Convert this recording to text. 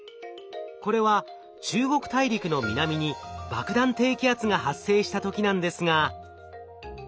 これは中国大陸の南に爆弾低気圧が発生した時なんですが。